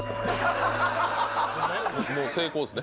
もう成功ですね。